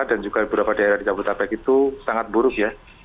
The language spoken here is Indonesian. dan juga beberapa daerah di jabodetabek itu sangat buruk ya